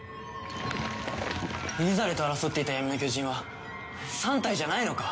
ユザレと争っていた闇の巨人は３体じゃないのか？